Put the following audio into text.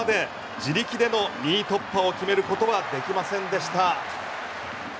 自力での２位突破を決めることはできませんでした。